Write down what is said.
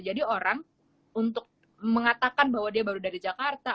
jadi orang untuk mengatakan bahwa dia baru dari jakarta